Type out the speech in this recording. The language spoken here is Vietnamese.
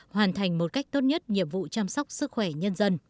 hoàn thành một cách tốt nhất nhiệm vụ chăm sóc sức khỏe nhân dân